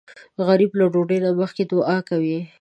غریب له ډوډۍ نه مخکې دعا کوي